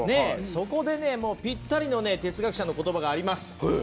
そこで、ぴったりの哲学者のことばがあります。